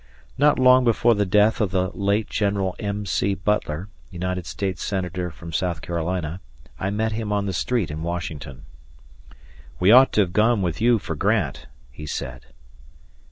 Not long before the death of the late General M. C. Butler, United States Senator from South Carolina, I met him on the street in Washington. "We ought to have gone with you for Grant," he said.